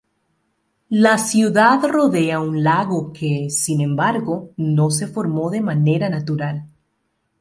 La ciudad rodea un lago que, sin embargo, no se formó de manera natural.